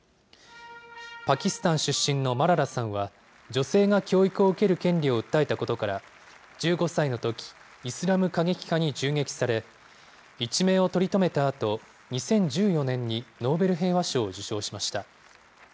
パキスタン出身のマララさんは、女性が教育を受ける権利を訴えたことから、１５歳のとき、イスラム過激派に銃撃され、一命を取り留めたあと、２０１４年にノーベル平和賞を受賞しました。